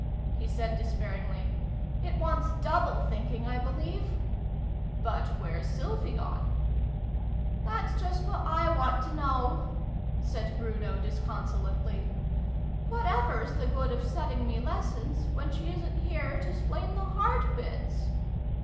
he said despairingly. " It wants double thinking, I believe !"" But where's Sylvie gone ?"" That's just what / want to know !" said Bruno disconsolately. " What ever's the good of setting me lessons, when she isn't here to 'splain the hard bits